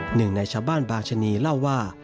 หนึ่งในชาวบ้านบางชะนีเล่าว่า